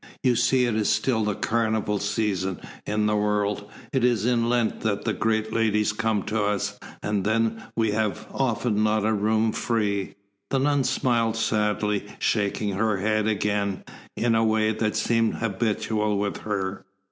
You see it is still the carnival season in the world. It is in Lent that the great ladies come to us, and then we have often not a room free." The nun smiled sadly, shaking her head again, in a way that seemed habitual with her.